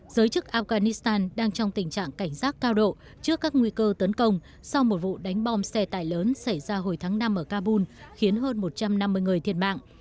giới chức afghanistan đang trong tình trạng cảnh giác cao độ trước các nguy cơ tấn công sau một vụ đánh bom xe tải lớn xảy ra hồi tháng năm ở kabul khiến hơn một trăm năm mươi người thiệt mạng